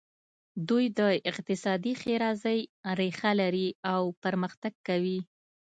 دوی د اقتصادي ښېرازۍ ریښه لري او پرمختګ کوي.